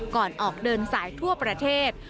ก่อนออกเดินสายทั่วประเทศ